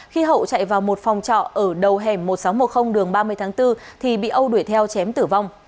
khi hậu chạy vào một phòng trọ ở đầu hẻm một nghìn sáu trăm một mươi đường ba mươi tháng bốn thì bị âu đuổi theo chém tử vong